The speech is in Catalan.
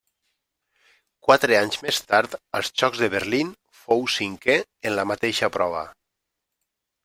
Quatre anys més tard, als Jocs de Berlín, fou cinquè en la mateixa prova.